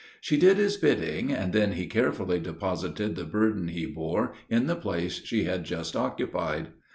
She did his bidding, and then he carefully deposited the burden he bore in the place she had just occupied.